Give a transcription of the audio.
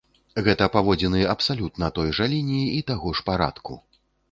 Гэта паводзіны абсалютна той жа лініі і таго ж парадку.